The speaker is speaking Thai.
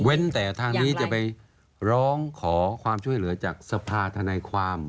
แต่ทางนี้จะไปร้องขอความช่วยเหลือจากสภาธนายความ